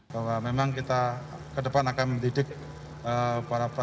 kepala pertama pertama pertama pertama pertama